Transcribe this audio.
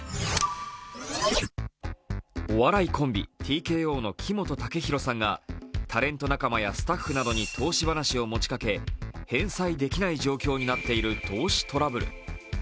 お笑いコンビ、ＴＫＯの木本武宏さんがタレント仲間やスタッフなどに投資話を持ちかけ返済できない状況になっている投資トラブル。